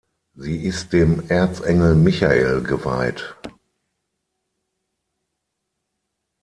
Sie ist dem Erzengel Michael geweiht.